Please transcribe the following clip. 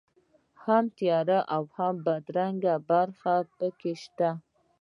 هم تیاره او بدرنګه برخې په کې شته.